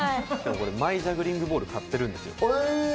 マイジャグリングボールを買ってるんですよ。